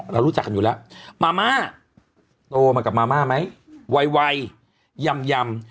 เรารู้จักกันอยู่แล้วมาม่าโตมากับมาม่าไหมไวยยำ